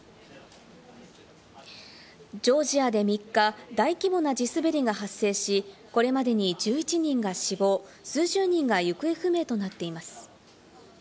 ジョージアで３日、大規模な地滑りが発生し、これまでに１１人が死亡、数十人が行方不明となっています。